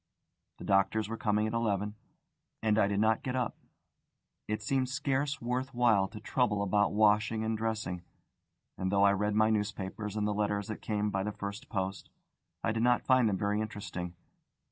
The doctors were coming at eleven, and I did not get up. It seemed scarce worth while to trouble about washing and dressing, and though I read my newspapers and the letters that came by the first post, I did not find them very interesting.